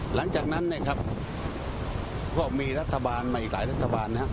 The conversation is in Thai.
หลังจากนั้นเนี่ยครับก็มีรัฐบาลมาอีกหลายรัฐบาลนะครับ